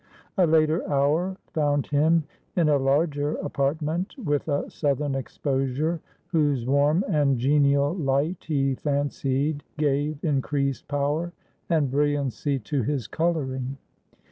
A later hour found him in a larger apartment, with a southern exposure, whose warm and genial light he fancied gave increased power and brilliancy to his coloring.